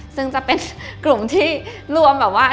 ซึ่งจะเป็นกลุ่มที่รวมแบบว่า